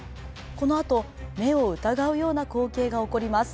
このあと目を疑うような光景が起こります。